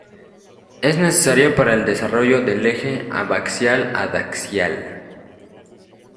Es necesario para el desarrollo del eje abaxial-adaxial.